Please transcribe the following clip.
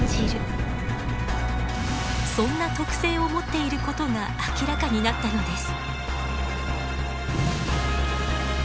そんな特性を持っていることが明らかになったのです。